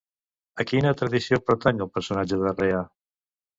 A quina tradició pertany el personatge de Rea?